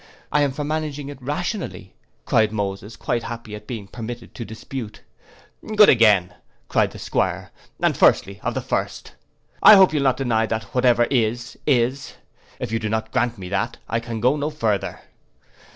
'I am for managing it rationally,' cried Moses, quite happy at being permitted to dispute. 'Good again,' cried the 'Squire, 'and firstly, of the first. I hope you'll not deny that whatever is, is. If you don't grant me that, I can go no further.